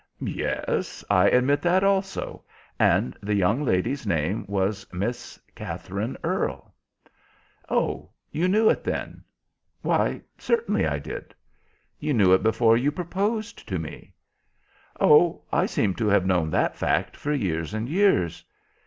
"Yes, I admit that also, and the young lady's name was Miss Katherine Earle." "Oh, you knew it, then?" "Why, certainly I did." "You knew it before you proposed to me." "Oh, I seem to have known that fact for years and years."